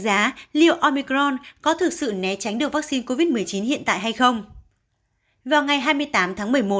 đánh giá liệu omicron có thực sự né tránh được vaccine covid một mươi chín hiện tại hay không vào ngày hai mươi tám tháng một mươi một